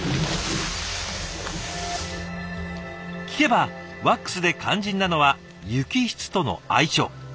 聞けばワックスで肝心なのは雪質との相性。